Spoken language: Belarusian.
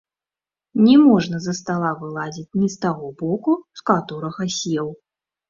Не можна з-за стала вылазіць не з таго боку, з каторага сеў.